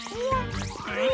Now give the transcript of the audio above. あれ？